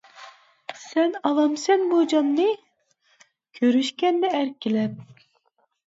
سەن ئالامسەن بۇ جاننى، كۆرۈشكەندە ئەركىلەپ.